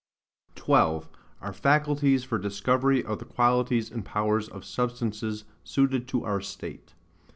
12. Our Faculties for Discovery of the Qualities and powers of Substances suited to our State.